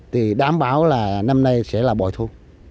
thì đảm bảo là năm nay sẽ là bội thu